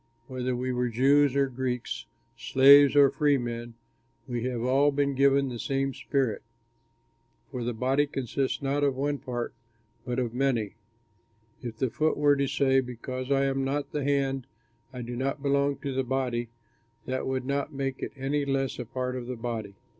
Whether we were Jews or Greeks, slaves or freemen, we have all been given the same Spirit. For the body consists not of one part but of many. If the foot were to say, "Because I am not the hand I do not belong to the body," that would not make it any less a part of the body.